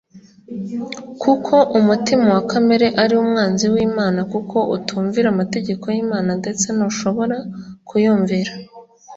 “Kuko umutima wa kamere ari umwanzi w’Imana, kuko utumvira amategeko y’Imana, ndetse ntushobora kuyumvira